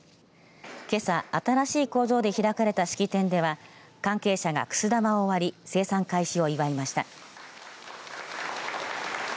けさ新しい工場で開かれた式典では関係者が、くす玉を割り生産開始を祝いました。